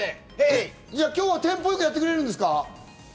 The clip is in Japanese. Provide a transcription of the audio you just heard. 春日さん、今日はテンポよくやってくれるんですか？